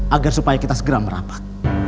agar supaya kita segera merapat